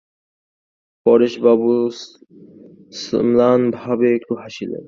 পরেশবাবু ম্লানভাবে একটু হাসিলেন।